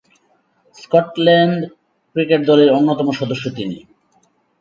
Scotland cricket দলের অন্যতম সদস্য তিনি।